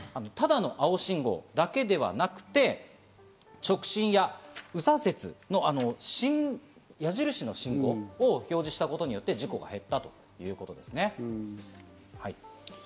ただの青信号だけではなくて、直進や右左折の矢印の信号を表示したことで、事故が減ったということですね。